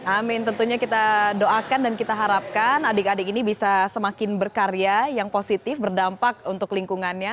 amin tentunya kita doakan dan kita harapkan adik adik ini bisa semakin berkarya yang positif berdampak untuk lingkungannya